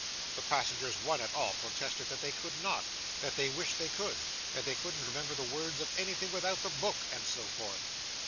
The passengers, one and all, protested that they could not; that they wished they could; that they couldn't remember the words of anything without the book; and so forth.